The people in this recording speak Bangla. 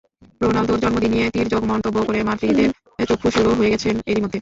রোনালদোর জন্মদিন নিয়ে তির্যক মন্তব্য করে মাদ্রিদের চক্ষুশূলও হয়ে গেছেন এরই মধ্যে।